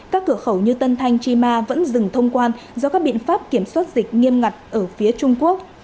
các cửa khẩu như tân thanh chima vẫn dừng thông quan do các biện pháp kiểm soát dịch nghiêm ngặt ở phía trung quốc